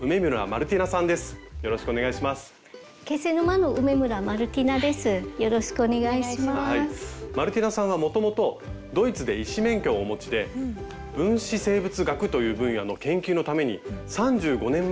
マルティナさんはもともとドイツで医師免許をお持ちで分子生物学という分野の研究のために３５年前に来日されたんですよね。